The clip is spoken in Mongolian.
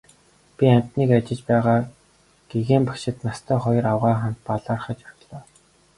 Би амьтныг ажиж байгааг гэгээн багшид настай хоёр авгайн хамт бараалхаж орлоо.